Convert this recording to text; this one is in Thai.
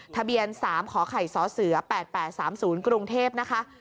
ทะเบียน๓ขไข่สเส๘๘๓๐กรุงเทพนะคะ